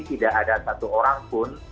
tidak ada satu orang pun